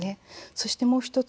そして、もう１つ。